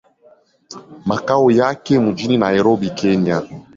Makao yake mjini Nairobi, Kenya.